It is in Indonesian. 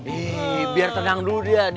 iya biar tenang dulu dia dia makin panik